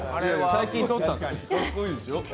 最近撮ったんですよ。